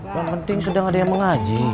yang penting sudah nggak ada yang mengaji